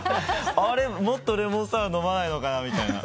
もっとレモンサワー飲まないのかなみたいな。